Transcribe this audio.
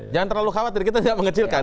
jangan terlalu khawatir kita tidak mengecilkan